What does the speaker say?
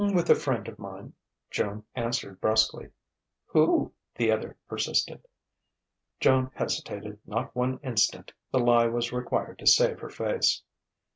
"With a friend of mine," Joan answered brusquely. "Who?" the other persisted. Joan hesitated not one instant; the lie was required to save her face.